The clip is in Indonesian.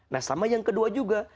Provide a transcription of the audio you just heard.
nah sama yang kedua juga